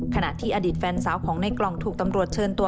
ขณะที่อดีตแฟนสาวของในกล่องถูกตำรวจเชิญตัว